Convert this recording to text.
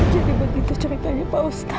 jadi begitu ceritanya pak ustad